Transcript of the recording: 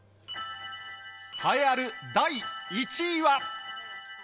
栄えある第１位は。